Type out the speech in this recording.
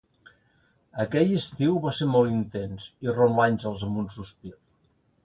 Aquell estiu va ser molt intens –irromp l'Àngels amb un sospir–.